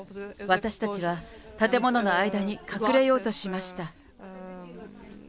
私たちは建物の間に隠れようとしました。